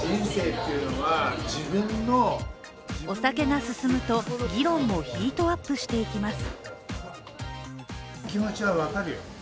お酒が進むと、議論もヒートアップしていきます。